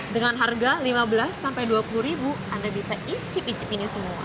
dengan harga rp lima belas rp dua puluh anda bisa icip icip ini semua